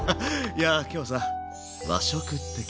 いや今日さ